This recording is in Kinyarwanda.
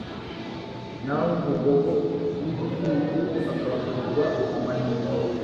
naho umugongo w’igicucu ukavuzwa amahiri